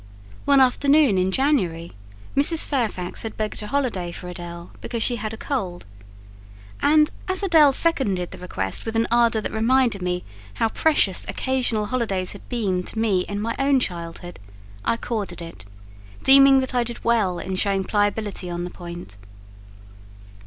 One afternoon in January, Mrs. Fairfax had begged a holiday for Adèle, because she had a cold; and, as Adèle seconded the request with an ardour that reminded me how precious occasional holidays had been to me in my own childhood, I accorded it, deeming that I did well in showing pliability on the point.